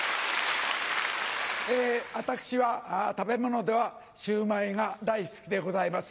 私は食べ物ではシューマイが大好きでございます。